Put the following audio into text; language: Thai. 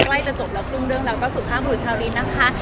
ใกล้จะจบแล้วครึ่งเรื่องเราก็สู่ภาพหัวชาวนี้นะคะ